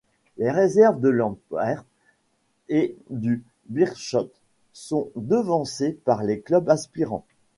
Les réserves de l'Antwerp et du Beerschot sont devancées par les clubs aspirants.